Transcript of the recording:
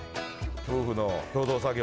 夫婦の共同作業。